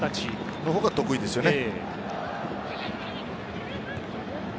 その方が得意ですよね。